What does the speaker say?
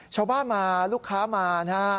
ชาวบ้านมาลูกค้ามานะฮะ